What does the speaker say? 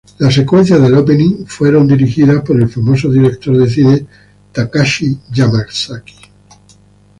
La secuencia del opening fue dirigida por el famoso director de cine Takashi Yamazaki.